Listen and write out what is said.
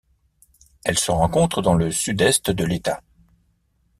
Elle se rencontre dans le Sud-Est de l'État.